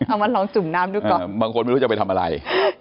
เอามาลองจุ่มน้ำดูก่อนบางคนไม่รู้จะไปทำอะไร